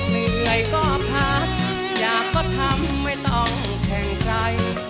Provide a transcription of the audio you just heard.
เหนื่อยก็พักอยากก็ทำไม่ต้องแข่งใคร